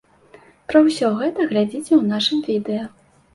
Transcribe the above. Пра ўсё гэта глядзіце ў нашым відэа.